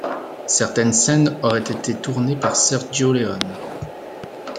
Certaines scènes auraient été tournées par Sergio Leone.